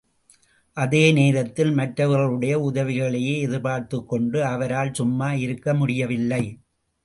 அதே நேரத்தில் மற்றவர்களுடைய உதவிகளையே எதிர்பார்த்துக் கொண்டு அவரால் சும்மா இருக்க முடியவில்லை.